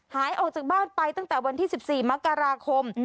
หายออกจากบ้านไปตั้งแต่วันที่๑๔มกราคม